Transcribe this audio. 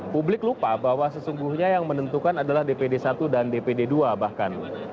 publik lupa bahwa sesungguhnya yang menentukan adalah dpd satu dan dpd ii bahkan